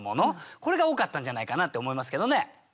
これが多かったんじゃないかなって思いますけどね。